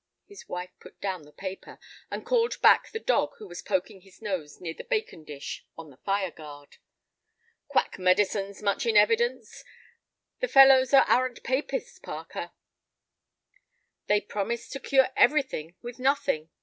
His wife put down the paper, and called back the dog who was poking his nose near the bacon dish on the fire guard. "Quack medicines much in evidence. The fellows are arrant Papists, Parker; they promise to cure everything with nothing.